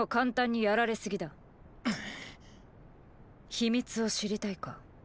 秘密を知りたいか？